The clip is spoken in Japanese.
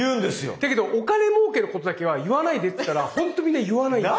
だけどお金もうけのことだけは言わないでって言ったらほんとみんな言わないんですよ。